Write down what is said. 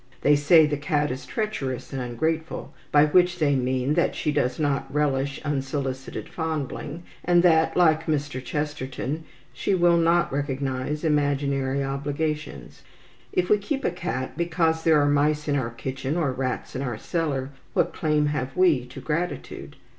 They say the cat is treacherous and ungrateful, by which they mean that she does not relish unsolicited fondling, and that, like Mr. Chesterton, she will not recognize imaginary obligations. If we keep a cat because there are mice in our kitchen or rats in our cellar, what claim have we to gratitude?